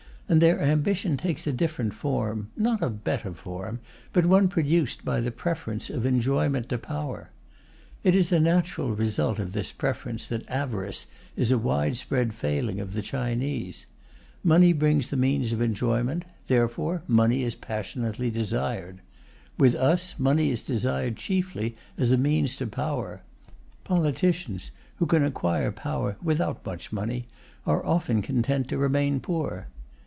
And their ambition takes a different form not a better form, but one produced by the preference of enjoyment to power. It is a natural result of this preference that avarice is a widespread failing of the Chinese. Money brings the means of enjoyment, therefore money is passionately desired. With us, money is desired chiefly as a means to power; politicians, who can acquire power without much money, are often content to remain poor.